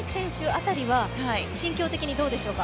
辺りは、心境的にどうでしょうか。